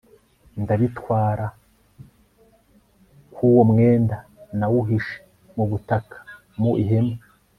ndabitwara k Uwo mwenda nawuhishe mu butaka mu ihema